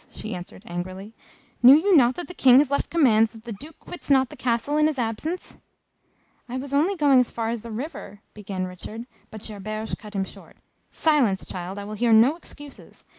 she asked, angrily. "Knew you not that the King has left commands that the Duke quits not the Castle in his absence?" "I was only going as far as the river " began Richard, but Gerberge cut him short. "Silence, child I will hear no excuses.